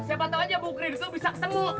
siapa tau aja buku kredit itu bisa kesengu